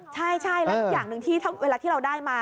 ใช่แล้วอย่างหนึ่งที่เวลาที่เราได้มา